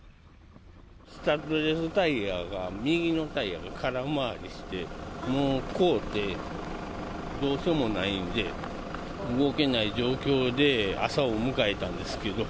スタッドレスタイヤが、右のタイヤが空回りして、もう凍って、どうしようもないんで、動けない状況で朝を迎えたんですけど。